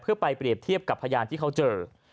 เพื่อไปเปรียบเทียบกับพยานที่เขาเจอ